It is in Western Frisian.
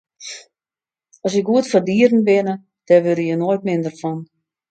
As je goed foar dieren binne, dêr wurde je noait minder fan.